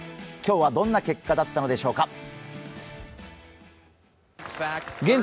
今日はどんな結果だったのでしょうか。